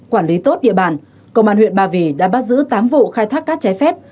quản lý tốt địa bàn công an huyện ba vì đã bắt giữ tám vụ khai thác cát trái phép